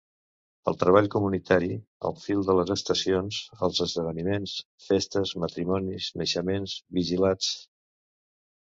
El treball comunitari, al fil de les estacions, els esdeveniments, festes, matrimonis, naixements, vigilats.